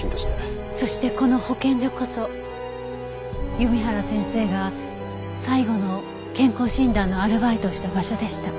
そしてこの保健所こそ弓原先生が最後の健康診断のアルバイトをした場所でした。